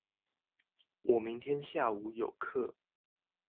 我明天下午有課